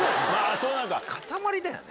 そうだよね。